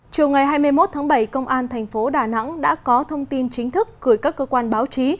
chiều ngày hai mươi một tháng bảy công an thành phố đà nẵng đã có thông tin chính thức gửi các cơ quan báo chí